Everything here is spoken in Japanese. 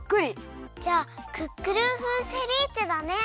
じゃあクックルン風セビーチェだね。